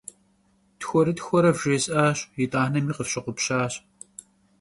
Тхуэрытхуэрэ вжесӏащ, итӏанэми къыфщыгъупщащ.